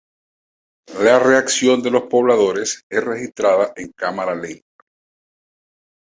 La reacción de los pobladores es registrada en cámara lenta.